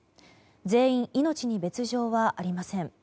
全員、命に別条はありません。